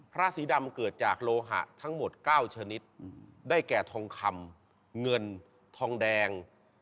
สีดำเกิดจากโลหะทั้งหมด๙ชนิดได้แก่ทองคำเงินทองแดง